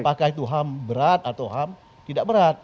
apakah itu ham berat atau ham tidak berat